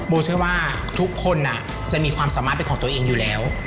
เชื่อว่าทุกคนจะมีความสามารถเป็นของตัวเองอยู่แล้ว